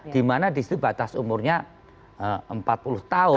dimana di situ batas umurnya empat puluh tahun